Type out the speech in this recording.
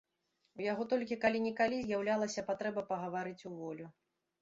У яго толькі калі-нікалі з'яўлялася патрэба пагаварыць уволю.